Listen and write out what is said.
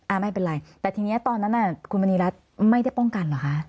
ไม่เป็นไรแต่ทีนี้ตอนนั้นคุณมณีรัฐไม่ได้ป้องกันเหรอคะ